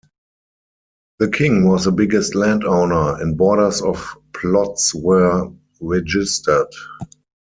The king was the biggest landowner and borders of plots were registered.